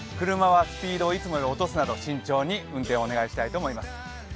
車はスピードを落とすなど慎重に運転をお願いしたいと思います。